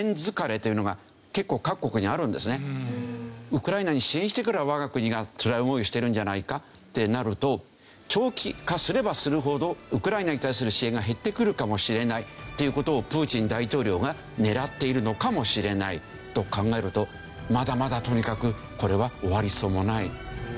ウクライナに支援してから我が国がつらい思いをしてるんじゃないかってなると長期化すればするほどウクライナに対する支援が減ってくるかもしれないっていう事をプーチン大統領が狙っているのかもしれないと考えるとまだまだとにかくこれは終わりそうもない。